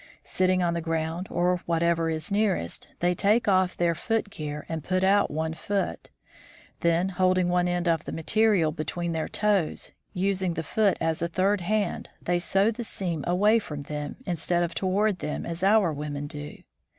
Sitting on the ground or whatever is nearest, they take off their footgear and put out one foot. Then holding one end of the ma terial between their toes, using the foot as a third hand, they sew the seam away from them, instead of toward them as our women do.